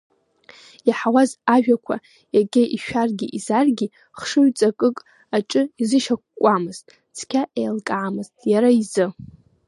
Иаҳауаз ажәақәа иага ишәаргьы-изаргьы, хшыҩ-ҵакык аҿы изышьақәкуамызт, цқьа еилкаамызт иара изы.